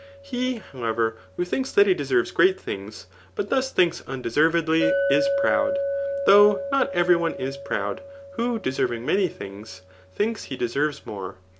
He, however, who thmks that he deserves great things, but thus thinks undeserv edly, is proud ; though not every one is proud, who, de? serving many things, thinks he deserves more.